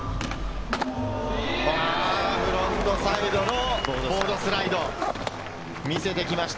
フロントサイドのボードスライド、見せてきました。